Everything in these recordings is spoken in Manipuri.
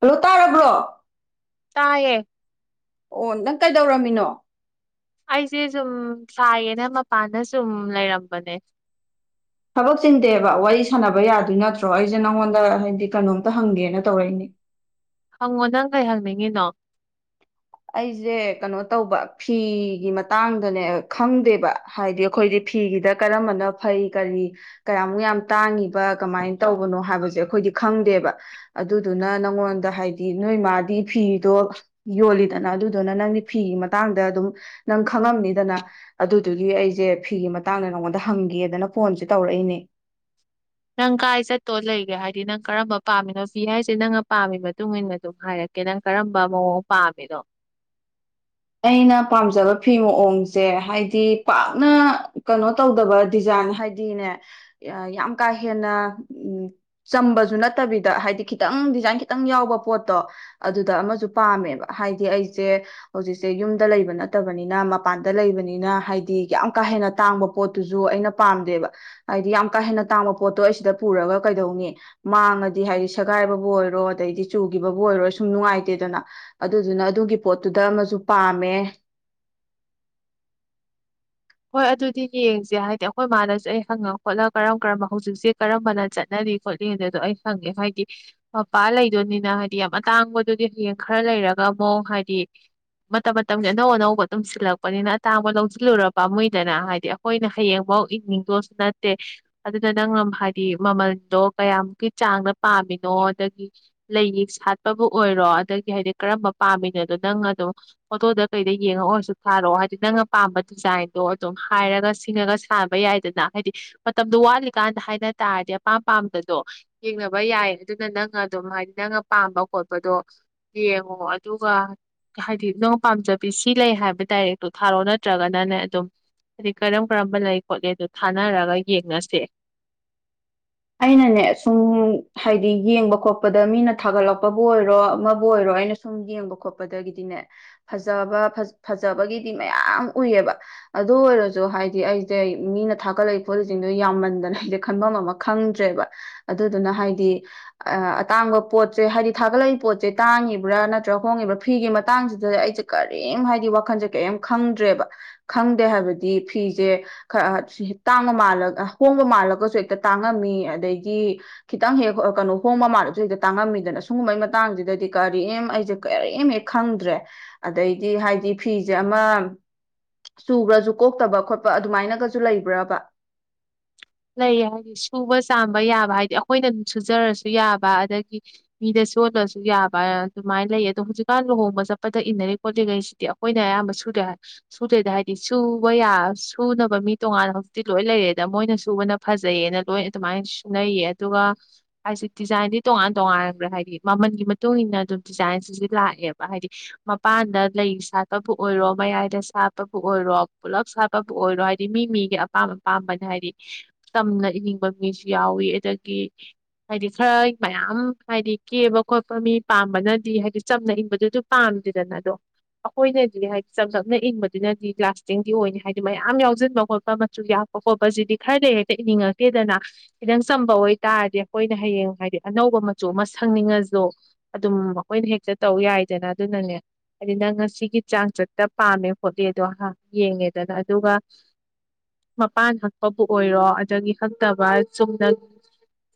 ꯍꯜꯂꯣ ꯇꯥꯔꯕ꯭ꯔꯣ ꯇꯥꯏꯌꯦꯦ ꯑꯣ ꯅꯪ ꯀꯩꯗꯧꯔꯝꯃꯤꯅꯣ ꯑꯩꯁꯦ ꯁꯨꯝ ꯁꯥꯏꯌꯦꯅ ꯃꯄꯥꯟꯗ ꯁꯨꯝ ꯂꯩꯔꯝꯕꯅꯦ ꯊꯕꯛ ꯆꯤꯡꯗꯦꯕ ꯋꯥꯔꯤ ꯁꯥꯟꯅꯕ ꯌꯥꯗꯣꯏ ꯅꯠꯇ꯭ꯔꯣ ꯑꯩꯁꯦ ꯅꯪꯉꯣꯟꯗ ꯍꯥꯏꯗꯤ ꯀꯩꯅꯣꯝꯇ ꯍꯪꯒꯦꯅ ꯇꯧꯔꯛꯏꯅꯤ ꯍꯪꯉꯣ ꯅꯪ ꯀꯩ ꯍꯪꯅꯤꯡꯉꯤꯅꯣ ꯑꯩꯁꯦ ꯀꯩꯅꯣ ꯇꯧꯕ ꯐꯤꯒꯤ ꯃꯇꯥꯡꯗꯅꯦ ꯈꯪꯗꯦꯕ ꯍꯥꯏꯗꯤ ꯑꯩꯈꯣꯏꯗꯤ ꯐꯤꯒꯤꯗ ꯀꯔꯝꯕꯅ ꯐꯩ ꯀꯔꯤ ꯀꯌꯥꯃꯨꯛ ꯌꯥꯝ ꯇꯥꯡꯉꯤꯕ ꯀꯃꯥꯏꯅ ꯇꯧꯕꯅꯣ ꯍꯥꯏꯕꯁꯦ ꯑꯩꯈꯣꯏꯗꯤ ꯈꯪꯗꯦꯕ ꯑꯗꯨꯗꯨꯅ ꯅꯪꯉꯣꯟꯗ ꯍꯥꯏꯗꯤ ꯅꯣꯏ ꯃꯥꯗꯤ ꯐꯤꯗꯣ ꯌꯣꯜꯂꯤ ꯑꯗꯨꯅ ꯑꯗꯨꯗꯨꯅ ꯅꯪꯗꯤ ꯐꯤꯒꯤ ꯃꯇꯥꯡꯗ ꯑꯗꯨꯝ ꯅꯪ ꯈꯪꯉꯝꯅꯤꯗꯅ ꯑꯗꯨꯗꯨꯒꯤ ꯑꯩꯁꯦ ꯐꯤꯒꯤ ꯃꯇꯥꯡꯗ ꯅꯪꯉꯣꯟꯗ ꯍꯪꯒꯦꯗꯅ ꯐꯣꯟꯁꯦ ꯇꯧꯔꯛꯏꯅꯤ ꯅꯪ ꯀꯥꯏ ꯆꯠꯇꯣ ꯂꯩꯒꯦ ꯍꯥꯏꯗꯤ ꯅꯪ ꯀꯔꯝꯕ ꯄꯥꯝꯃꯤꯅꯣ ꯐꯤ ꯍꯥꯏꯁꯦ ꯅꯪꯅ ꯄꯥꯝꯃꯤ ꯃꯇꯨꯡ ꯏꯟꯅ ꯑꯗꯨꯝ ꯍꯥꯏꯔꯛꯀꯦ ꯅꯪ ꯀꯔꯝꯕ ꯃꯑꯣꯡ ꯄꯥꯝꯃꯤꯅꯣ ꯑꯩꯅ ꯄꯥꯝꯖꯕ ꯐꯤ ꯃꯑꯣꯡꯁꯦ ꯍꯥꯏꯗꯤ ꯄꯥꯛꯅ ꯀꯩꯅꯣ ꯇꯧꯗꯕ ꯗꯤꯖꯥꯏꯟ ꯍꯥꯏꯗꯤꯅꯦ ꯌꯥꯝ ꯀꯥ ꯍꯦꯟꯅ ꯆꯝꯕꯁꯨ ꯅꯠꯇꯕꯤꯗ ꯍꯥꯏꯗꯤ ꯈꯤꯇꯪ ꯗꯤꯖꯥꯏꯟ ꯈꯤꯇꯪ ꯌꯥꯎꯕ ꯄꯣꯠꯇꯣ ꯑꯗꯨꯗ ꯑꯃꯁꯨ ꯄꯥꯝꯃꯦꯕ ꯍꯥꯏꯗꯤ ꯑꯩꯁꯦ ꯍꯧꯖꯤꯛꯁꯦ ꯌꯨꯝꯗ ꯂꯩꯕ ꯅꯠꯇꯕꯅꯤꯅ ꯃꯄꯥꯟꯗ ꯂꯩꯕꯅꯤꯅ ꯍꯥꯏꯗꯤ ꯌꯥꯝ ꯀꯥ ꯍꯦꯟꯅ ꯇꯥꯡꯕ ꯄꯣꯠꯇꯨꯁꯨ ꯑꯩꯅ ꯄꯥꯝꯗꯦꯕ ꯍꯥꯏꯗꯤ ꯌꯥꯝ ꯀꯥ ꯍꯦꯟꯅ ꯇꯥꯡꯕ ꯄꯣꯠꯇꯣ ꯑꯩ ꯁꯤꯗ ꯄꯨꯔꯒ ꯀꯩꯗꯧꯅꯤ ꯃꯥꯡꯉꯗꯤ ꯍꯥꯏꯗꯤ ꯁꯦꯒꯥꯏꯕꯕꯨ ꯑꯣꯏꯔꯣ ꯑꯗꯩꯗꯤ ꯆꯨꯈꯤꯕꯕꯨ ꯑꯣꯏꯔꯣ ꯁꯨꯝ ꯅꯨꯡꯉꯥꯏꯇꯦꯗꯅ ꯑꯗꯨꯗꯨꯅ ꯑꯗꯨꯒꯤ ꯄꯣꯠꯇꯨꯗ ꯑꯃꯁꯨ ꯇꯨ ꯄꯥꯝꯃꯦ ꯍꯣꯏ ꯑꯗꯨꯗꯤ ꯌꯦꯡꯁꯦ ꯍꯥꯏꯗꯤ ꯑꯩꯈꯣꯏ ꯏ ꯃꯥꯅꯁꯨ ꯑꯩ ꯍꯪꯉ ꯈꯣꯠꯂ ꯀꯔꯝ ꯀꯔꯝꯕ ꯍꯧꯖꯤꯛꯁꯦ ꯀꯔꯝꯕꯅ ꯆꯠꯅꯔꯤ ꯈꯣꯠꯂꯤ ꯑꯗꯣ ꯑꯩ ꯍꯪꯉꯦ ꯍꯥꯏꯗꯤ ꯃꯄꯥ ꯂꯩꯗꯣꯏꯅꯤꯅ ꯍꯥꯏꯗꯤ ꯌꯥꯝ ꯑꯇꯥꯡꯕꯗꯨꯗꯤ ꯍꯌꯦꯡ ꯈꯔ ꯂꯩꯔꯒ ꯑꯃꯨꯛ ꯍꯥꯏꯗꯤ ꯃꯇꯝ ꯃꯇꯝꯁꯦ ꯑꯅꯧ ꯑꯅꯧꯕ ꯑꯗꯨꯝ ꯁꯤꯜꯂꯛꯄꯅꯤꯅ ꯑꯇꯥꯡꯕ ꯂꯧꯁꯤꯜꯂꯔꯕ ꯄꯥꯝꯃꯏꯗꯅ ꯍꯥꯏꯗꯤ ꯑꯩꯈꯣꯏꯅ ꯍꯌꯦꯡꯐꯥꯎ ꯏꯪꯅꯤꯡꯗꯣꯁꯨ ꯅꯠꯇꯦ ꯑꯗꯨꯅ ꯅꯪꯅ ꯍꯥꯏꯗꯤ ꯃꯃꯟꯗꯣ ꯀꯌꯥꯃꯨꯛꯀꯤ ꯆꯥꯡꯅ ꯄꯥꯝꯃꯤꯅꯣ ꯑꯗꯒꯤ ꯂꯩ ꯌꯦ ꯁꯥꯠꯄꯕꯨ ꯑꯣꯏꯔꯣ ꯑꯗꯒꯤ ꯍꯥꯏꯗꯤ ꯀꯔꯝꯕ ꯄꯥꯝꯃꯤꯅꯣꯗꯣ ꯅꯪ ꯑꯗꯨꯝ ꯐꯣꯇꯣꯗ ꯀꯩꯗ ꯌꯦꯡꯉ ꯑꯣꯏꯔꯁꯨ ꯊꯥꯔꯛꯑꯣ ꯍꯥꯏꯗꯤ ꯅꯪꯅ ꯄꯥꯝꯕ ꯗꯤꯖꯥꯏꯟ ꯑꯗꯣ ꯑꯗꯨꯝ ꯍꯥꯏꯔꯒ ꯁꯤꯡꯉꯒ ꯁꯥꯅꯕ ꯌꯥꯏꯗꯅ ꯍꯥꯏꯗꯤ ꯃꯇꯝꯗꯣ ꯋꯥꯠꯂꯤꯀꯥꯟꯗ ꯍꯥꯏꯅ ꯇꯥꯔꯗꯤ ꯑꯄꯥꯝ ꯄꯥꯝꯕꯗꯣ ꯌꯦꯡꯅꯕ ꯌꯥꯏ ꯑꯗꯨꯅ ꯅꯪ ꯑꯗꯨꯝ ꯍꯥꯏꯗꯤ ꯅꯪꯅ ꯄꯥꯝꯕ ꯈꯣꯠꯄꯗꯣ ꯌꯦꯡꯉꯣ ꯑꯗꯨꯒ ꯍꯥꯏꯗꯤ ꯅꯪ ꯄꯥꯝꯖꯕꯤ ꯁꯤ ꯂꯩ ꯍꯥꯏꯕ ꯗꯥꯏꯔꯦꯛꯇꯣ ꯊꯥꯔꯛꯑꯣ ꯅꯠꯇ꯭ꯔꯒꯅꯅꯦ ꯑꯗꯨꯝ ꯍꯥꯏꯗꯤ ꯀꯔꯝ ꯀꯔꯝꯕ ꯂꯩ ꯈꯣꯠꯂꯤ ꯑꯗꯨ ꯊꯥꯅꯔꯒ ꯌꯦꯡꯅꯥꯁꯦ ꯑꯩꯅꯅꯦ ꯁꯨꯝ ꯍꯥꯏꯗꯤ ꯌꯦꯡꯕ ꯈꯣꯠꯄꯗ ꯃꯤꯅ ꯊꯥꯒꯠꯂꯛꯄꯕꯨ ꯑꯣꯏꯔꯣ ꯑꯃꯕꯨ ꯑꯣꯏꯔꯣ ꯑꯩꯅ ꯁꯨꯝ ꯌꯦꯡꯕ ꯈꯣꯠꯄꯗꯒꯤꯗꯤꯅꯦ ꯐꯖꯕ ꯐꯖꯕꯒꯤꯗꯤ ꯃꯌꯥꯝ ꯎꯏꯑꯕ ꯑꯗꯨ ꯑꯣꯏꯔꯁꯨ ꯍꯥꯏꯗꯤ ꯑꯩꯁꯦ ꯃꯤꯅ ꯊꯥꯒꯠꯂꯛꯏ ꯄꯣꯠꯁꯤꯡꯗꯣ ꯌꯥꯝꯃꯟꯗꯅ ꯑꯩꯁꯦ ꯈꯟꯐꯝꯃ ꯑꯃ ꯈꯪꯗ꯭ꯔꯦꯕ ꯑꯗꯨꯗꯨꯅ ꯍꯥꯏꯗꯤ ꯑꯇꯥꯡꯕ ꯄꯣꯠꯁꯦ ꯍꯥꯏꯗꯤ ꯊꯥꯒꯠꯂꯛꯏ ꯄꯣꯠꯁꯦ ꯇꯥꯡꯉꯤꯕ꯭ꯔꯥ ꯅꯠꯇ꯭ꯔꯒ ꯍꯣꯡꯉꯤꯕ꯭ꯔꯥ ꯐꯤꯒꯤ ꯃꯇꯥꯡꯁꯤꯗ ꯑꯩꯁꯦ ꯀꯔꯤꯝ ꯍꯥꯏꯗꯤ ꯋꯥꯈꯜꯁꯦ ꯀꯔꯤꯝ ꯈꯪꯗ꯭ꯔꯦꯕ ꯈꯪꯗꯦ ꯍꯥꯏꯕꯗꯤ ꯐꯤꯁꯦ ꯈ ꯇꯥꯡꯕ ꯃꯥꯜꯂꯒ ꯍꯣꯡꯕ ꯃꯥꯜꯂꯒꯁꯨ ꯍꯦꯛꯇ ꯇꯥꯡꯉꯝꯃꯤ ꯑꯗꯩꯗꯤ ꯈꯤꯇꯪ ꯍꯦꯛ ꯀꯩꯅꯣ ꯍꯣꯡꯕ ꯃꯥꯜꯂꯁꯨ ꯍꯗ ꯇꯥꯡꯉꯝꯃꯤꯗꯅ ꯁꯨꯒꯨꯝꯕꯩ ꯃꯇꯥꯡꯁꯤꯗꯗꯤ ꯀꯔꯤꯝ ꯑꯩꯁꯦ ꯀꯔꯤꯝ ꯍꯦꯛ ꯈꯪꯗ꯭ꯔꯦ ꯑꯗꯩꯗꯤ ꯍꯥꯏꯗꯤ ꯐꯤꯁꯦ ꯑꯃ ꯆꯨꯈ꯭ꯔꯁꯨ ꯀꯣꯛꯇꯕ ꯈꯣꯠꯄ ꯑꯗꯨꯃꯥꯏꯅꯒꯁꯨ ꯂꯩꯕ꯭ꯔꯕ ꯂꯩꯌꯦ ꯍꯥꯏꯗꯤ ꯁꯨꯕ ꯆꯥꯝꯕ ꯌꯥꯕ ꯍꯥꯏꯗꯤ ꯑꯩꯈꯣꯏꯅ ꯁꯨꯖꯔꯁꯨ ꯌꯥꯕ ꯑꯗꯒꯤ ꯃꯤꯗ ꯆꯣꯜꯂꯁꯨ ꯌꯥꯕ ꯑꯗꯨꯃꯥꯏꯅ ꯂꯩ ꯑꯗꯣ ꯍꯧꯖꯤꯛꯀꯥꯟ ꯂꯨꯍꯣꯡꯕ ꯆꯠꯄꯗ ꯏꯟꯅꯔꯤ ꯈꯣꯠꯂꯤꯈꯩꯁꯤꯗꯤ ꯑꯩꯈꯣꯏꯅ ꯑꯌꯥꯝꯕ ꯁꯨꯗ꯭ꯔꯦ ꯁꯨꯗ꯭ꯔꯦꯗ ꯍꯥꯏꯗꯤ ꯁꯨꯕ ꯁꯨꯅꯕ ꯃꯤ ꯇꯣꯉꯥꯟꯅ ꯍꯧꯖꯤꯛꯇꯤ ꯂꯣꯏ ꯂꯩꯔꯦꯗ ꯃꯣꯏꯅ ꯁꯨꯕꯅ ꯐꯖꯩꯌꯦꯅ ꯂꯣꯏ ꯑꯗꯨꯃꯥꯏꯅ ꯁꯨꯅꯩꯌꯦ ꯑꯗꯨꯒ ꯍꯥꯏꯁ ꯗꯤꯖꯥꯏꯟꯗꯤ ꯇꯣꯉꯥꯟ ꯇꯣꯉꯥꯟꯕ꯭ꯔꯥ ꯍꯥꯏꯗꯤ ꯃꯃꯜꯒꯤ ꯃꯇꯨꯡ ꯏꯟꯅ ꯑꯗꯨꯝ ꯗꯤꯖꯥꯏꯟꯁꯤꯁ ꯂꯥꯛꯑꯦꯕ ꯍꯥꯏꯗꯤ ꯃꯄꯥꯟꯗ ꯂꯩ ꯁꯥꯠꯄꯕꯨ ꯑꯣꯏꯔꯣ ꯃꯌꯥꯏꯗ ꯁꯥꯠꯄꯕꯨ ꯑꯣꯏꯔꯣ ꯄꯨꯂꯞ ꯁꯥꯠꯄꯕꯨ ꯑꯣꯏꯔꯣ ꯍꯥꯏꯗꯤ ꯃꯤ ꯃꯤꯒꯤ ꯑꯄꯥꯝ ꯑꯄꯥꯝꯕꯅ ꯍꯥꯏꯗꯤ ꯇꯝꯅ ꯏꯅꯤꯡꯕ ꯃꯤꯁꯨ ꯌꯥꯎꯋꯤ ꯑꯗꯒꯤ ꯍꯥꯏꯗꯤ ꯈꯔ ꯃꯌꯥꯝ ꯍꯥꯏꯗꯤ ꯀꯦꯕ ꯈꯣꯠꯄ ꯃꯤ ꯄꯥꯝꯕꯅꯗꯤ ꯍꯥꯏꯗꯤ ꯆꯝꯅ ꯏꯪꯕꯗꯨꯁꯨ ꯄꯥꯝꯗꯦꯗꯅ ꯑꯗꯣ ꯑꯩꯈꯣꯏꯅꯗꯤ ꯍꯥꯏꯗꯤ ꯆꯝ ꯆꯞꯅ ꯏꯪꯕꯗꯨꯅꯗꯤ ꯂꯥꯁꯇꯤꯡꯗꯤ ꯑꯣꯏꯅꯅꯤ ꯍꯥꯏꯗꯤ ꯃꯌꯥꯝ ꯌꯥꯎꯁꯤꯟꯕ ꯈꯣꯠꯄ ꯃꯆꯨ ꯌꯥꯛꯄ ꯈꯣꯠꯄꯁꯤꯗꯤ ꯈꯔꯗꯤ ꯍꯦꯛꯇ ꯏꯅꯤꯡꯉꯛꯇꯦꯗꯅ ꯈꯤꯇꯪ ꯆꯝꯕ ꯑꯣꯏꯇꯥꯔꯗꯤ ꯑꯩꯈꯣꯏꯅ ꯍꯌꯦꯡ ꯍꯥꯏꯗꯤ ꯑꯅꯧꯕ ꯃꯆꯨ ꯑꯃ ꯁꯪꯅꯤꯡꯉꯁꯨ ꯑꯗꯨꯝ ꯑꯩꯈꯣꯏꯅ ꯍꯦꯛꯇ ꯇꯧ ꯌꯥꯏꯗꯅ ꯑꯗꯨꯅꯅꯦ ꯍꯥꯏꯗꯤ ꯅꯪ ꯉꯁꯤꯒꯤ ꯆꯥꯡ ꯆꯠꯇ ꯄꯥꯝꯃꯦ ꯈꯣꯠꯂꯦꯗꯣ ꯌꯦꯡꯉꯦꯗꯅ ꯑꯗꯨꯒ ꯃꯄꯥꯟ ꯍꯛ ꯄꯥꯕꯨ ꯑꯣꯏꯔꯣ ꯑꯗꯒꯤ ꯍꯛꯇꯕ ꯆꯨꯝꯅ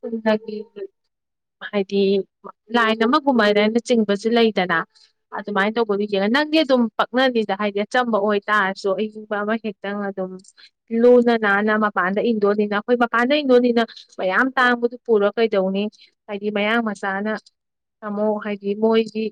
ꯆꯨꯝꯅꯒꯤ ꯍꯥꯏꯗꯤ ꯂꯥꯏꯟ ꯑꯃꯒꯨꯝꯕꯅ ꯆꯤꯡꯕꯁꯨ ꯂꯩꯗꯅ ꯑꯗꯨꯃꯥꯏꯅ ꯇꯧꯕꯗꯨ ꯌꯦꯡꯉ ꯅꯪꯒꯤ ꯑꯗꯨꯝ ꯄꯛꯅꯅꯤꯗ ꯍꯥꯏꯗꯤ ꯑꯆꯝꯕ ꯑꯣꯏꯇꯥꯔꯁꯨ ꯑꯏꯤꯡꯕ ꯑꯃ ꯍꯦꯛꯇꯪ ꯑꯗꯨꯝ ꯂꯨꯅ ꯅꯅꯥꯅ ꯃꯄꯥꯟꯗ ꯏꯪꯗꯣꯏꯅꯤꯅ ꯑꯩꯈꯣꯏ ꯃꯄꯥꯟꯗ ꯏꯪꯗꯣꯏꯅꯤꯅ ꯃꯌꯥꯝ ꯇꯥꯡꯕꯗꯨ ꯄꯨꯔꯣ ꯀꯩꯗꯧꯅꯤ ꯍꯥꯏꯗꯤ ꯃꯌꯥꯡ ꯃꯆꯥꯅ ꯑꯃꯥꯃꯨꯛ ꯍꯥꯏꯗꯤ ꯃꯣꯏꯗꯤ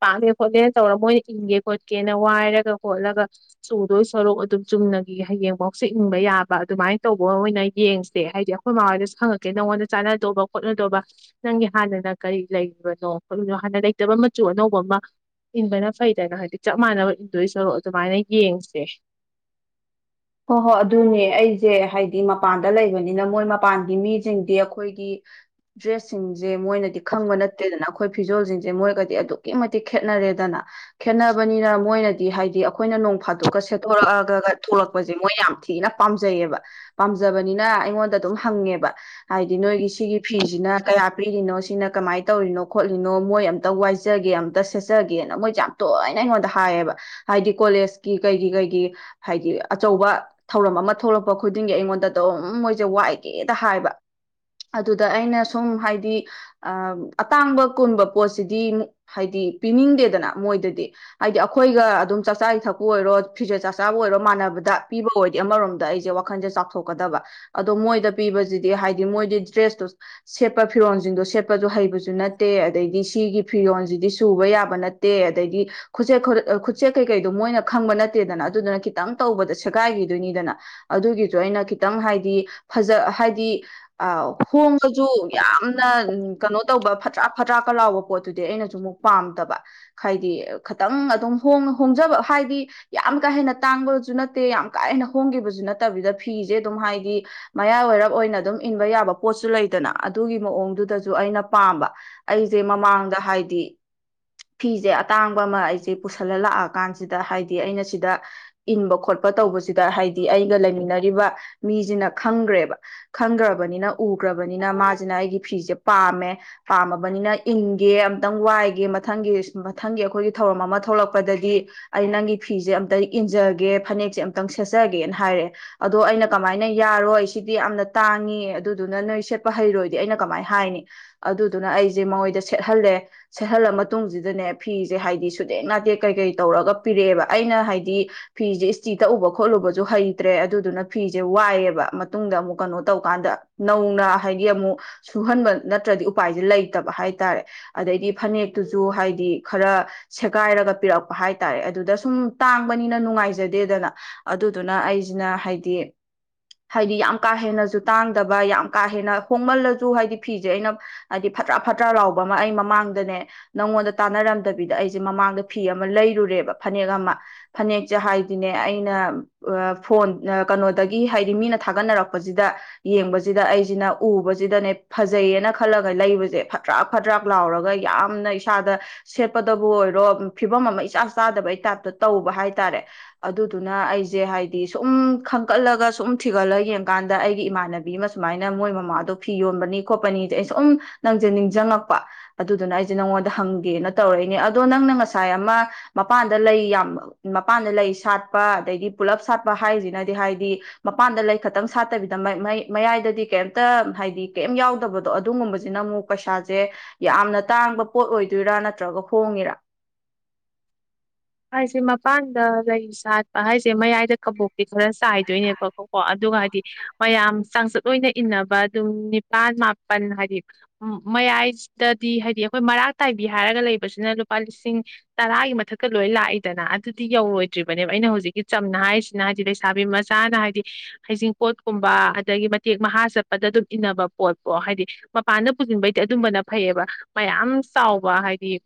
ꯄꯥꯝꯃꯦ ꯈꯣꯠꯂꯦꯅ ꯇꯧꯔꯒ ꯃꯣꯏꯅ ꯏꯪꯒꯦ ꯈꯣꯠꯀꯦꯅ ꯋꯥꯏꯔꯒ ꯈꯣꯠꯂꯒ ꯆꯨꯗꯣꯏ ꯁꯣꯔꯨ ꯑꯗꯨꯝ ꯆꯨꯝꯅꯒꯤ ꯍꯌꯦꯡꯐꯥꯎꯁꯨ ꯏꯪꯕ ꯌꯥꯕ ꯑꯗꯨꯃꯥꯏꯅ ꯇꯧꯕ ꯑꯣꯏꯅ ꯌꯦꯡꯁꯦ ꯍꯥꯏꯗꯤ ꯑꯩꯈꯣꯏꯃꯉꯣꯏꯗꯁꯨ ꯈꯪꯉꯛꯀꯦ ꯅꯪꯉꯣꯟꯗ ꯆꯥꯟꯅꯗꯧꯕ ꯈꯣꯠꯅꯗꯧꯕ ꯅꯪꯒꯤ ꯍꯥꯟꯅꯅ ꯀꯔꯤ ꯂꯩꯔꯤꯕꯅꯣ ꯈꯣꯠꯂꯤꯕꯅꯣ ꯍꯥꯟꯅ ꯂꯩꯇꯕ ꯃꯆꯨ ꯑꯅꯧꯕ ꯑꯃ ꯏꯟꯕꯅ ꯐꯩꯗꯅ ꯍꯥꯏꯗꯤ ꯆꯞ ꯃꯥꯟꯅꯕ ꯏꯟꯗꯣꯏꯁꯔ ꯑꯗꯨꯃꯥꯏꯅ ꯌꯦꯡꯁꯦ ꯍꯣꯏ ꯍꯣꯏ ꯑꯗꯨꯅꯦ ꯑꯩꯁꯦ ꯍꯥꯏꯗꯤ ꯃꯄꯥꯟꯗ ꯂꯩꯕꯅꯤꯅ ꯃꯣꯏ ꯃꯄꯥꯟꯒꯤ ꯃꯤꯁꯤꯡꯗꯤ ꯑꯩꯈꯣꯏꯒꯤ ꯗ꯭ꯔꯦꯁꯁꯤꯡꯁꯦ ꯁꯦ ꯃꯣꯏꯅꯗꯤ ꯈꯪꯕ ꯅꯠꯇꯦꯗꯅ ꯑꯩꯈꯣꯏ ꯐꯤꯖꯣꯜꯁꯤꯡꯁꯦ ꯃꯣꯏꯒꯗꯤ ꯑꯗꯨꯛꯀꯤ ꯃꯇꯤꯛ ꯈꯦꯠꯅꯔꯦꯗꯅ ꯈꯦꯠꯅꯕꯅꯤꯅ ꯃꯣꯏꯅꯗꯤ ꯍꯥꯏꯗꯤ ꯑꯩꯈꯣꯏꯅ ꯅꯣꯡ ꯐꯥ ꯑꯗꯨꯒꯦꯊꯣꯔꯛꯑꯒ ꯊꯣꯛꯛ ꯌꯥꯝ ꯊꯤꯅ ꯄꯥꯝꯖꯩꯌꯦꯕ ꯄꯥꯝꯖꯕꯅꯤꯅ ꯑꯩꯉꯣꯟꯗ ꯑꯗꯨꯝ ꯍꯪꯉꯦꯕ ꯍꯥꯏꯗꯤ ꯅꯣꯏꯒꯤ ꯁꯤꯒꯤ ꯐꯤꯁꯤꯅ ꯀꯌꯥ ꯄꯤꯔꯤꯅꯣ ꯁꯤꯅ ꯀꯃꯥꯏꯅ ꯇꯧꯔꯤꯅꯣ ꯈꯣꯠꯂꯤꯅꯣ ꯃꯣꯏ ꯑꯃꯝꯇ ꯋꯥꯏꯖꯒꯦ ꯑꯃꯝꯇ ꯁꯦꯠꯆꯒꯦꯅ ꯃꯣꯏꯁꯦ ꯌꯥꯝ ꯇꯣꯏꯅ ꯑꯩꯉꯣꯟꯗ ꯍꯥꯏꯌꯦꯕ ꯍꯥꯏꯗꯤ ꯀꯣꯂꯦꯖꯀꯤ ꯀꯩꯒꯤ ꯀꯩꯒꯤ ꯍꯥꯏꯗꯤ ꯑꯆꯧꯕ ꯊꯧꯔꯝ ꯑꯃ ꯊꯣꯛꯂꯛꯄ ꯈꯨꯗꯤꯡꯒꯤ ꯑꯩꯉꯣꯟꯗ ꯑꯗꯨꯝ ꯃꯣꯏꯁꯦ ꯋꯥꯏꯒꯦꯗ ꯍꯥꯏꯕ ꯑꯗꯨꯗ ꯑꯩꯅ ꯁꯨꯝ ꯍꯥꯏ ꯍꯥꯏꯗꯤ ꯑꯇꯥꯡꯕ ꯀꯨꯟꯕ ꯄꯣꯠꯁꯤꯗꯤ ꯍꯥꯏꯗꯤ ꯄꯤꯅꯤꯡꯗꯦꯗꯅ ꯃꯣꯏꯗꯗꯤ ꯍꯥꯏꯗꯤ ꯑꯩꯈꯣꯏꯒ ꯑꯗꯨꯝ ꯆꯥꯛꯆꯥ ꯏꯊꯛꯄꯨ ꯑꯣꯏꯔꯣ ꯐꯤꯖꯦꯠ ꯆꯥꯛꯆꯥꯕꯨ ꯑꯣꯏꯔꯣ ꯃꯥꯟꯅꯕꯗ ꯗ ꯄꯤꯕ ꯑꯣꯏꯗꯤ ꯑꯃꯔꯣꯝꯗ ꯑꯩꯁꯦ ꯋꯥꯈꯜꯁꯦ ꯆꯥꯎꯊꯣꯛꯀꯗꯕ ꯑꯗꯣ ꯃꯣꯏꯗ ꯄꯤꯕꯁꯤꯗꯤ ꯍꯥꯏꯗꯤ ꯃꯣꯏꯗꯤ ꯗ꯭ꯔꯦꯁꯇꯨ ꯁꯦꯠꯄ ꯐꯤꯔꯣꯜꯁꯤꯡꯗꯣ ꯁꯦꯠꯄꯗ ꯍꯩꯕꯁꯨ ꯅꯠꯇꯦ ꯑꯗꯩꯗꯤ ꯁꯤꯒꯤ ꯐꯤꯔꯣꯜꯁꯤꯗꯤ ꯁꯨꯕ ꯌꯥꯕ ꯅꯠꯇꯦ ꯑꯗꯩꯗꯤ ꯈꯨ ꯈꯨꯠꯁꯦꯛ ꯀꯩꯀꯩꯗꯣ ꯃꯣꯏꯅ ꯈꯪꯕ ꯅꯠꯇꯦꯗꯅ ꯑꯗꯨꯗꯨꯅ ꯈꯤꯇꯪ ꯇꯧꯕꯗ ꯁꯦꯒꯥꯏꯈꯤꯗꯣꯏꯅꯤꯗꯅ ꯑꯗꯨꯒꯤꯁꯨ ꯑꯩꯅ ꯈꯤꯇꯪ ꯍꯥꯏꯗꯤ ꯐꯖ ꯍꯥꯏꯗꯤ ꯍꯣꯡꯕꯁꯨ ꯌꯥꯝꯅ ꯀꯩꯅꯣ ꯇꯧꯕ ꯐꯠꯇ꯭ꯔꯥꯛꯥ ꯐꯠꯇ꯭ꯔꯥꯛꯀ ꯂꯥꯎꯕ ꯄꯣꯠꯇꯨꯗꯤ ꯑꯩꯅꯁꯨ ꯑꯃꯨꯛ ꯄꯥꯝꯗꯕ ꯍꯥꯏꯗꯤ ꯈꯤꯇꯪ ꯑꯗꯨꯝꯣꯡ ꯍꯣꯡꯖꯕ ꯍꯥꯏꯗꯤ ꯌꯥꯝ ꯀꯥ ꯍꯦꯟꯅ ꯇꯥꯡꯕꯁꯨ ꯌꯥꯝ ꯀꯥ ꯍꯦꯟꯅ ꯍꯣꯡꯈꯤꯕꯁꯨ ꯅꯠꯇꯕꯤꯗ ꯐꯤꯁꯦ ꯑꯗꯨꯝ ꯍꯥꯏꯗꯤ ꯃꯌꯥꯏ ꯋꯥꯏꯔꯞ ꯑꯣꯏꯅ ꯑꯗꯨꯝ ꯏꯟꯕ ꯌꯥꯕ ꯄꯣꯠꯁꯨ ꯂꯩꯗꯅ ꯑꯗꯨꯒꯤ ꯃꯑꯣꯡꯗꯨꯗꯁꯨ ꯑꯩꯅ ꯄꯥꯝꯕ ꯑꯩꯁꯦ ꯃꯃꯥꯡꯗ ꯍꯥꯏꯗꯤ ꯐꯤꯁꯦ ꯑꯇꯥꯡꯕ ꯑꯃ ꯑꯩꯁꯦ ꯄꯨꯁꯜꯂ ꯂꯥꯛꯑꯀꯥꯟꯁꯤꯗ ꯍꯥꯏꯗꯤ ꯑꯩꯅ ꯁꯤꯗ ꯏꯟꯕ ꯈꯣꯠꯄ ꯇꯧꯕꯁꯤꯗ ꯍꯥꯏꯗꯤ ꯑꯩꯒ ꯂꯩꯃꯤꯟꯅꯔꯤꯕ ꯃꯤꯁꯤꯅ ꯈꯪꯈ꯭ꯔꯦꯕ ꯈꯪꯈ꯭ꯔꯕꯅꯤꯅ ꯎꯈ꯭ꯔꯕꯅꯤꯅ ꯃꯥꯁꯤꯅ ꯑꯩꯒꯤ ꯐꯤꯁꯦ ꯄꯥꯝꯃꯦ ꯄꯥꯝꯃꯕꯅꯤꯅ ꯏꯟꯒꯦ ꯑꯃꯝꯇꯪ ꯋꯥꯏꯒꯦ ꯃꯊꯪꯒꯤ ꯃꯊꯪꯒꯤ ꯑꯩꯈꯣꯏꯒꯤ ꯊꯧꯔꯝ ꯑꯃ ꯊꯣꯛꯂꯛꯄꯗꯗꯤ ꯑꯩ ꯅꯪꯒꯤ ꯐꯤꯁꯦ ꯑꯝꯇꯪ ꯏꯟꯖꯒꯦ ꯐꯅꯦꯛꯁꯦ ꯑꯃꯨꯛꯇꯪ ꯁꯦꯠꯆꯒꯦꯅ ꯍꯥꯏꯔꯛꯑꯦ ꯑꯗꯣ ꯑꯩꯅ ꯀꯃꯥꯏꯅ ꯌꯥꯔꯣꯏ ꯑꯩ ꯁꯤꯗꯤ ꯌꯥꯝꯅ ꯇꯥꯡꯉꯤ ꯑꯗꯨꯗꯨꯅ ꯅꯣꯏ ꯁꯦꯠꯄ ꯍꯩꯔꯣꯏꯗꯤ ꯑꯩꯅ ꯀꯃꯥꯏꯅ ꯍꯥꯏꯅꯤ ꯑꯗꯨꯗꯨꯅ ꯑꯩꯁꯦ ꯃꯣꯏꯗ ꯁꯦꯠꯍꯜꯂꯦ ꯁꯦꯠꯍꯜꯂ ꯃꯇꯨꯡꯁꯤꯗꯅꯦ ꯐꯤꯁꯦ ꯍꯥꯏꯗꯤ ꯁꯨꯗꯦꯛ ꯅꯥꯇꯦꯛ ꯀꯩ ꯀꯩ ꯇꯧꯔꯒ ꯄꯤꯔꯛꯑꯦꯕ ꯑꯩꯅ ꯍꯥꯏꯗꯤ ꯐꯤꯁꯦ ꯆꯤ ꯇꯛꯎꯕ ꯈꯣꯠꯂꯨꯕꯁꯨ ꯍꯩꯇ꯭ꯔꯦ ꯑꯗꯨꯗꯨꯅ ꯐꯤꯁꯦ ꯋꯥꯏꯑꯦꯕ ꯃꯇꯨꯡꯗ ꯑꯃꯨꯛ ꯀꯩꯅꯣ ꯇꯧꯀꯥꯟꯗ ꯅꯧꯅ ꯍꯥꯏꯗꯤ ꯑꯃꯨꯛ ꯁꯨꯍꯟꯕ ꯅꯠꯇ꯭ꯔꯗꯤ ꯎꯄꯥꯏꯁꯦ ꯂꯩꯇꯕ ꯍꯥꯏꯇꯥꯔꯦ ꯑꯗꯩꯗꯤ ꯐꯅꯦꯛꯇꯨꯁꯨ ꯍꯥꯏꯗꯤ ꯈꯔ ꯁꯦꯒꯥꯏꯔꯒ ꯄꯤꯔꯛꯄ ꯍꯥꯏꯇꯥꯔꯦ ꯑꯗꯨꯗ ꯁꯨꯝ ꯇꯥꯡꯕꯅꯤꯅ ꯅꯨꯡꯉꯥꯏꯖꯗ ꯗꯦꯗꯅ ꯑꯗꯨꯗꯨꯅ ꯑꯩꯁꯤꯅ ꯍꯥꯏꯗꯤ ꯍꯥꯏꯗꯤ ꯌꯥꯝ ꯀꯥ ꯍꯦꯟꯅꯁꯨ ꯇꯥꯡꯗꯕ ꯌꯥꯝ ꯀꯥ ꯍꯦꯟꯅ ꯍꯣꯡꯃꯜꯂꯁꯨ ꯍꯥꯏꯗꯤ ꯐꯤꯁꯦ ꯑꯩꯅ ꯍꯥꯏꯗꯤ ꯐꯠꯇ꯭ꯔꯥ ꯐꯠꯇ꯭ꯔꯥ ꯂꯥꯎꯕ ꯑꯃ ꯑꯩ ꯃꯃꯥꯡꯗꯅꯦ ꯅꯪꯉꯣꯟꯗ ꯇꯥꯟꯅꯔꯝꯗꯕꯤꯗ ꯑꯩꯁꯦ ꯃꯃꯥꯡꯗ ꯐꯤ ꯑꯃ ꯂꯩꯔꯨꯔꯦꯕ ꯐꯅꯦꯛ ꯑꯃ ꯐꯅꯦꯛꯁꯦ ꯍꯥꯏꯗꯤ ꯗꯤꯅꯦ ꯑꯩꯅ ꯐꯣꯟ ꯀꯩꯅꯣꯗꯒꯤ ꯍꯥꯏꯗꯤ ꯃꯤꯅ ꯊꯥꯒꯠꯅꯔꯛꯄꯁꯤꯗ ꯌꯦꯡꯕꯁꯤꯗ ꯑꯩꯁꯤꯅ ꯎꯕꯁꯤꯗꯅꯦ ꯐꯖꯩꯌꯦꯅ ꯈꯜꯂꯒ ꯂꯩꯕꯁꯦ ꯐꯠꯇ꯭ꯔꯥꯛ ꯐꯠꯇ꯭ꯔꯥꯛ ꯂꯥꯎꯔꯒ ꯌꯥꯝꯅ ꯏꯁꯥꯗ ꯁꯦꯠꯄꯗꯕꯨ ꯑꯣꯏꯔꯣ ꯐꯤꯕꯝ ꯑꯃ ꯏꯆꯥ ꯆꯥꯗꯕꯩ ꯇꯥꯏꯞꯇ ꯇꯧꯕ ꯍꯥꯏꯇꯥꯔꯦ ꯑꯗꯨꯗꯨꯅ ꯑꯩꯁꯦ ꯍꯥꯏꯗꯤ ꯁꯨꯝ ꯈꯟꯒꯠꯂꯒ ꯁꯨꯝ ꯊꯤꯒꯠꯂ ꯌꯦꯡꯀꯥꯟꯗ ꯑꯩꯒꯤ ꯏꯃꯥꯟꯅꯕꯤ ꯑꯃ ꯁꯨꯃꯥꯏꯅ ꯃꯣꯏ ꯃꯃꯥꯗꯣ ꯐꯤ ꯌꯣꯟꯕꯅꯤ ꯈꯣꯠꯄꯅꯤꯁꯦ ꯑꯩ ꯁꯨꯝ ꯅꯪꯁꯦ ꯅꯤꯡꯁꯤꯡꯉꯛꯄ ꯑꯗꯨꯗꯨꯅ ꯑꯩꯁꯦ ꯅꯪꯉꯣꯟꯗ ꯍꯪꯒꯦꯅ ꯇꯧꯔꯛꯏꯅꯦ ꯑꯗꯣ ꯅꯪꯅ ꯉꯁꯥꯏ ꯑꯃ ꯃꯄꯥꯟꯗ ꯂꯩ ꯌꯥꯝ ꯃꯄꯥꯟꯗ ꯂꯩꯁ ꯁꯥꯠꯄ ꯑꯗꯗꯒꯤ ꯄꯨꯜꯂꯞ ꯁꯥꯠꯄ ꯍꯥꯏꯁꯤꯅꯗꯤ ꯍꯥꯏꯗꯤ ꯃꯄꯥꯟꯗ ꯂꯩ ꯈꯛꯇꯪ ꯁꯥꯠꯇꯕꯤꯗ ꯃꯌꯥꯏꯗꯗꯤ ꯀꯩꯝꯇ ꯍꯥꯏꯗꯤ ꯀꯩꯝ ꯌꯥꯎꯗꯕꯗꯣ ꯑꯗꯨꯒꯨꯝꯕꯁꯤꯅ ꯑꯃꯨꯛ ꯄꯩꯁꯥꯁꯦ ꯌꯥꯝꯅ ꯇꯥꯡꯕ ꯄꯣꯠ ꯑꯣꯏꯗꯣꯏꯔꯥ ꯅꯠꯇ꯭ꯔꯒ ꯍꯣꯡꯉꯤꯔꯥ ꯍꯥꯏꯁꯦ ꯃꯄꯥꯟꯗ ꯂꯩ ꯁꯥꯠꯄ ꯍꯥꯏꯁꯦ ꯃꯌꯥꯏꯗ ꯀꯕꯣꯛꯇꯤ ꯈꯔ ꯆꯥꯏꯗꯣꯏꯅꯦꯕꯀꯣꯀꯣ ꯑꯗꯨꯒ ꯍꯥꯏꯗꯤ ꯃꯌꯥꯝ ꯆꯥꯡꯆꯠ ꯑꯣꯏꯅ ꯏꯟꯅꯕ ꯑꯗꯨꯝ ꯅꯤꯄꯥꯜ ꯃꯥꯄꯜ ꯍꯥꯏꯗꯤ ꯃꯌꯥꯏꯗꯗꯤ ꯍꯥꯏꯗꯤ ꯑꯩꯈꯣꯏ ꯃꯔꯥꯛ ꯇꯥꯏꯕꯤ ꯍꯥꯏꯔꯒ ꯂꯩꯕꯁꯤꯅ ꯂꯨꯄꯥ ꯂꯤꯁꯤꯡ ꯇꯔꯥꯒꯤ ꯃꯊꯛꯇ ꯂꯣꯏ ꯂꯥꯛꯏꯗꯅ ꯑꯗꯨꯗꯤ ꯌꯧꯔꯣꯏꯗ꯭ꯔꯤꯕꯅꯦꯕ ꯑꯩꯅ ꯍꯧꯖꯤꯛꯀꯤ ꯆꯝꯅ ꯍꯥꯏꯔꯤꯁꯤꯅ ꯍꯥꯏꯗꯤ ꯂꯩꯁꯥꯕꯤ ꯃꯆꯥꯅ ꯍꯥꯏꯗꯤ ꯍꯩꯖꯤꯡꯄꯣꯠꯀꯨꯝꯕ ꯑꯗꯒꯤ ꯃꯇꯦꯛ ꯃꯍꯥ ꯆꯠꯄꯗ ꯑꯗꯨꯝ ꯏꯟꯅꯕ ꯄꯣꯠꯄꯣ ꯍꯥꯏꯗꯤ ꯃꯄꯥꯟꯗ ꯄꯨꯁꯤꯟꯕꯩꯗꯤ ꯑꯗꯨꯝꯕꯅ ꯐꯩꯌꯦꯕ ꯃꯌꯥꯝ ꯆꯥꯎꯕ ꯍꯥꯏꯗꯤ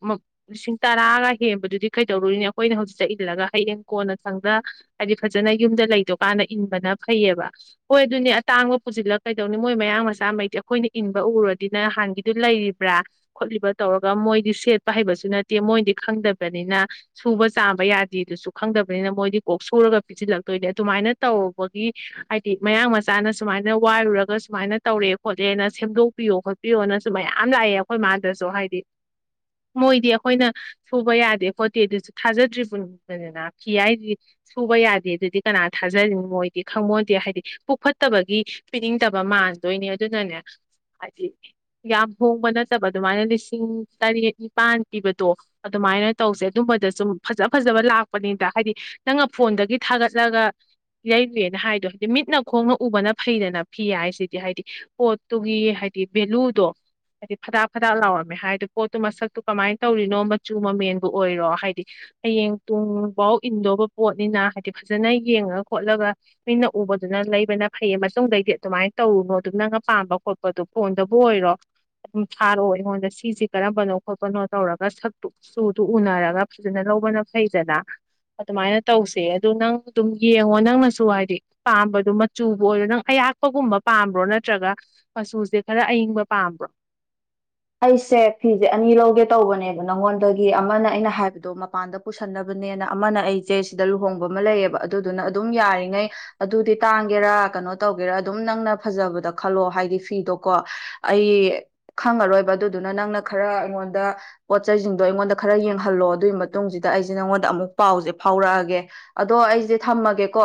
ꯂꯤꯁꯤꯡ ꯇꯔꯥꯒ ꯍꯦꯟꯕꯗꯨꯗꯤ ꯀꯩꯗꯧꯔꯨꯏꯅꯤ ꯑꯩꯈꯣꯏꯅ ꯍꯧꯖꯤꯛ ꯆ ꯏꯜꯂꯒ ꯍꯌꯦꯡ ꯀꯣꯟꯅ ꯁꯪꯗ ꯍꯥꯏꯗꯤ ꯐꯖꯅ ꯌꯨꯝꯗ ꯂꯩꯗꯧꯀꯥꯟꯗ ꯏꯟꯕꯅ ꯐꯩꯌꯦꯕ ꯍꯣꯏ ꯑꯗꯨꯅꯦ ꯑꯇꯥꯡꯕ ꯄꯨꯁꯤꯜꯂꯒ ꯀꯩꯗꯧꯅꯤ ꯃꯣꯏ ꯃꯌꯥꯡ ꯃꯆꯥ ꯃꯩꯗꯤ ꯑꯩꯈꯣꯏꯅ ꯏꯟꯕ ꯎꯔꯗꯤꯅ ꯅꯥꯟꯒꯤꯗꯨ ꯂꯩꯔꯤꯕ꯭ꯔꯥ ꯈꯣꯠꯂꯤꯕꯥ ꯇꯧꯔꯒ ꯃꯣꯏꯗꯤ ꯁꯦꯠꯄ ꯍꯩꯕꯁꯨ ꯅꯠꯇꯦ ꯃꯣꯏꯗꯤ ꯈꯪꯗꯕꯅꯤꯅ ꯁꯨꯕ ꯆꯥꯕ ꯌꯥꯗꯦꯗꯨꯁꯨ ꯈꯪꯗꯕꯅꯤꯅ ꯃꯣꯏꯗꯤ ꯀꯣꯛ ꯁꯨꯔꯒ ꯄꯤꯖꯤꯜꯂꯛꯇꯣꯏꯅꯦ ꯑꯗꯨꯃꯥꯏꯅ ꯇꯧꯔꯛꯕꯒꯤ ꯍꯥꯏꯗꯤ ꯃꯌꯥꯡ ꯃꯆꯥꯅ ꯁꯨꯃꯥꯏꯅ ꯋꯥꯏꯔꯨꯔꯒ ꯁꯨꯃꯥꯏꯅ ꯇꯧꯔꯦ ꯈꯣꯠꯂꯦꯅ ꯁꯦꯝꯗꯣꯛꯄꯤꯌꯣ ꯈꯣꯠꯄꯤꯌꯣꯅꯁꯨ ꯃꯌꯥꯝ ꯂꯥꯛꯑꯦ ꯑꯩꯈꯣꯏ ꯃꯥꯗꯁꯨ ꯍꯥꯏꯗꯤ ꯃꯣꯏꯗꯤ ꯑꯩꯈꯣꯏꯅ ꯁꯨꯕ ꯌꯥꯗꯦ ꯈꯣꯠꯇꯦ ꯗꯨꯁꯨ ꯊꯥꯖꯗ꯭ꯔꯤꯕꯅꯤ ꯗꯅ ꯐꯤ ꯍꯥꯏꯗꯤ ꯁꯨꯕ ꯌꯥꯗꯦ ꯗꯨꯗꯤ ꯀꯅꯥ ꯊꯥꯖꯅꯤ ꯃꯣꯏꯗꯤ ꯈꯪꯕꯣꯟꯗꯦ ꯍꯥꯏꯗꯤ ꯄꯨꯛꯐꯠꯇꯕꯒꯤ ꯄꯤꯅꯤꯡꯗꯕ ꯃꯥꯟꯗꯣꯏꯅꯦ ꯑꯗꯨꯅꯅꯦ ꯍꯥꯏꯗꯤ ꯌꯥꯝ ꯍꯣꯡꯕ ꯅꯠꯇꯕ ꯑꯗꯨꯃꯥꯏꯅ ꯂꯤꯁꯤꯡ ꯇꯔꯦꯠ ꯅꯤꯄꯥꯟ ꯄꯤꯕꯗꯣ ꯑꯗꯨꯃꯥꯏꯅ ꯇꯧꯁꯦ ꯑꯗꯨꯝꯕꯗ ꯁꯨꯝ ꯐꯖ ꯐꯖꯕ ꯂꯥꯛꯄꯅꯤꯗ ꯍꯥꯏꯗꯤ ꯅꯪꯅ ꯐꯣꯟꯗꯒꯤ ꯊꯥꯒꯠꯂꯒ ꯂꯩꯔꯨꯅ ꯍꯥꯏꯗꯣ ꯍꯥꯏꯗꯤ ꯃꯤꯠꯅ ꯈꯣꯡꯅ ꯎꯕꯅ ꯐꯩꯗꯅ ꯐꯤ ꯍꯥꯏꯁꯤꯗꯤ ꯍꯥꯏꯗꯤ ꯄꯣꯠꯇꯨꯒꯤ ꯍꯥꯏꯗꯤ ꯚꯦꯂꯨꯗꯣ ꯍꯥꯏꯗꯤ ꯐꯗꯥꯛ ꯐꯗꯥꯛ ꯂꯥꯎꯔꯝꯃꯦ ꯍꯥꯏꯗꯣ ꯄꯣꯠꯇꯨ ꯃꯁꯛꯇꯨ ꯀꯃꯥꯏꯅ ꯇꯧꯔꯤꯅꯣ ꯃꯆꯨ ꯃꯃꯦꯟ ꯕꯨ ꯑꯣꯏꯔꯣ ꯍꯥꯏꯗꯤ ꯍꯌꯦꯡ ꯇꯨꯡꯕꯥꯎ ꯏꯟꯗꯣꯕ ꯄꯣꯠꯅꯤꯅ ꯍꯥꯏꯗꯤ ꯐꯖꯅ ꯌꯦꯡꯉ ꯈꯣꯠꯂꯒ ꯃꯤꯅ ꯎꯕꯗꯅ ꯂꯩꯕꯅ ꯐꯩꯌꯦ ꯃꯇꯨꯡꯗꯩꯗꯤ ꯑꯗꯨꯃꯥꯏꯅ ꯇꯧꯔꯨꯅꯣ ꯑꯗꯨ ꯅꯪꯅ ꯄꯥꯝꯕ ꯈꯣꯠꯄꯗꯨ ꯐꯣꯟꯗꯕꯨ ꯑꯣꯏꯔꯣ ꯎꯝ ꯊꯥꯔꯑꯣ ꯑꯩꯉꯣꯟꯗ ꯁꯤꯁꯤ ꯀꯔꯝꯕꯅꯣ ꯈꯣꯠꯄꯅꯣ ꯇꯧꯔꯒ ꯁꯛꯇꯨ ꯆꯨ ꯇꯨ ꯎꯅꯔꯒ ꯐꯖꯅ ꯂꯧꯕꯅ ꯐꯩꯗꯅ ꯑꯗꯨꯃꯥꯏꯅ ꯇꯧꯁꯦ ꯑꯗꯨ ꯅꯪ ꯑꯗꯨꯝ ꯌꯦꯡꯉꯣ ꯅꯪꯅꯁꯨ ꯍꯥꯏꯗꯤ ꯄꯥꯝꯕꯗꯨ ꯃꯆꯨꯕꯨ ꯑꯣꯏꯔꯣ ꯅꯪ ꯑꯌꯥꯛꯄꯒꯨꯝꯕ ꯄꯥꯝꯕ꯭ꯔꯣ ꯅꯠꯇ꯭ꯔꯒ ꯃꯆꯨꯁꯦ ꯈꯔ ꯑꯏꯪꯕ ꯄꯥꯝꯕ꯭ꯔꯣ ꯑꯩꯁꯦ ꯐꯤꯖꯦ ꯑꯅꯤ ꯂꯧꯒꯦ ꯇꯧꯕꯅꯦꯕ ꯅꯪꯉꯣꯟꯗꯒꯤ ꯑꯃꯅ ꯑꯩꯅ ꯍꯥꯏꯕꯗꯣ ꯃꯄꯥꯟꯗ ꯄꯨꯁꯟꯅꯕꯅꯦꯅ ꯑꯃꯅ ꯑꯩꯖꯦ ꯁꯤꯗ ꯂꯨꯍꯣꯡꯕ ꯑꯃ ꯂꯩꯌꯦꯕ ꯑꯗꯨꯗꯨꯅ ꯑꯗꯨꯝ ꯌꯥꯔꯤꯉꯩ ꯑꯗꯨꯗꯤ ꯇꯥꯡꯒꯦꯔꯥ ꯀꯅꯣ ꯇꯧꯒꯦꯔꯥ ꯑꯗꯨꯝ ꯅꯪꯅ ꯐꯖꯕꯗ ꯈꯜꯂꯣ ꯍꯥꯏꯗꯤ ꯐꯤꯗꯣꯀꯣ ꯑꯩ ꯈꯪꯉꯔꯣꯏ ꯑꯗꯨꯗꯨꯅ ꯅꯪꯅ ꯈꯔ ꯑꯩꯉꯣꯟꯗ ꯄꯣꯠ ꯆꯩꯁꯤꯡꯗꯣ ꯑꯩꯉꯣꯟꯗ ꯈꯔ ꯌꯦꯡꯍꯜꯂꯣ ꯑꯗꯨꯏ ꯃꯇꯨꯡꯖꯤꯗ ꯑꯩꯁꯦ ꯅꯪꯉꯣꯟꯗ ꯑꯃꯨꯛ ꯄꯥꯎꯖꯦ ꯐꯥꯎꯔꯛꯑꯒꯦ ꯑꯗꯣ ꯑꯩꯁꯦ ꯊꯝꯃꯒꯦꯀꯣ꯫